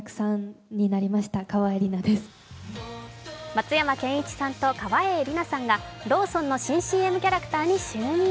松山ケンイチさんと川栄李奈さんがローソンの新ＣＭキャラクターに就任。